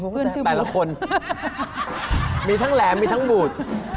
แต่ละคนมีทั้งแหลมมีทั้งบูด